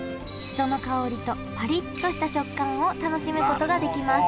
その香りとパリッとした食感を楽しむことができます